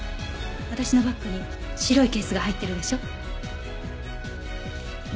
私のバッグに白いケースが入ってるでしょ。